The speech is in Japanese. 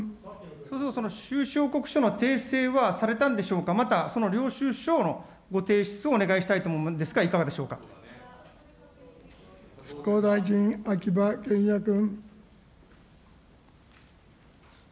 そうすると収支報告書の訂正はされたんでしょうか、また、その領収書のご提出をお願いしたいと思うんですが、いかがでしょ復興大臣、秋葉賢也君。